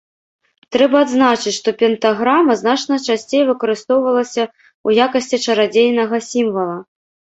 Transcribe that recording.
Трэба адзначыць, што пентаграма значна часцей выкарыстоўвалася ў якасці чарадзейнага сімвала.